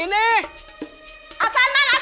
yang bersepart corrupted pertama kali